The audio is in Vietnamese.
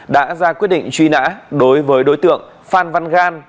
đã ra quyết định truy nã đối với đối tượng phan văn gan